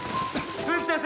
冬木先生！